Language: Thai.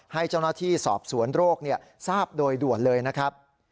ให้เจ้าหน้าที่สอบสวนโรคทราบโดยด่วนเลยนะครับ